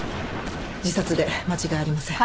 自殺で間違いありません。